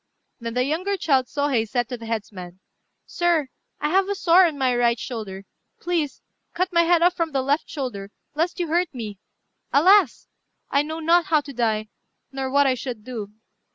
Then the younger child Sôhei said to the headsman, "Sir, I have a sore on my right shoulder: please, cut my head off from the left shoulder, lest you should hurt me. Alas! I know not how to die, nor what I should do."